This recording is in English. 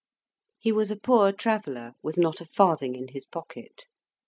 He was a poor traveller, with not a farthing in his pocket.